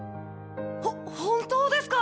ほ本当ですか